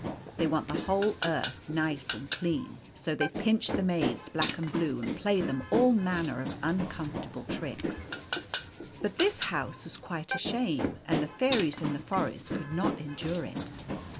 They want the whole earth nice and clean. So they pinch the maids black and blue, and play them all manner of uncomfortable tricks. But this house was quite a shame, and the fairies in the forest could not endure it.